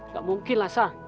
gak mungkin lah sar